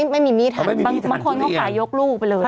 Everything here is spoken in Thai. ไม่มีมีดบางคนเขาขายยกรูปไปเลย